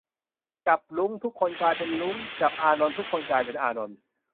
"จับรุ้ง ทุกคนกลายเป็นรุ้ง จับอานนท์ ทุกคนกลายเป็นอานนท์"